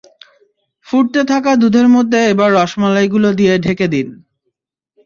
ফুটতে থাকা দুধের মধ্যে এবার রসমালাইগুলো দিয়ে ঢেকে দিন।